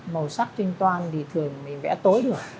màu sắc trên toan thì thường mình vẽ tối được